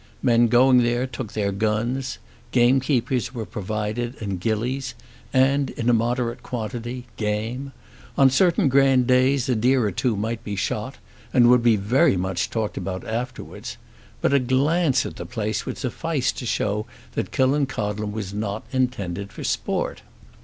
Men going there took their guns. Gamekeepers were provided and gillies, and, in a moderate quantity, game. On certain grand days a deer or two might be shot, and would be very much talked about afterwards. But a glance at the place would suffice to show that Killancodlem was not intended for sport.